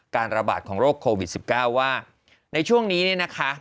การระบาดของโรคโควิด๑๙ว่าในช่วงนี้เนี่ยนะคะ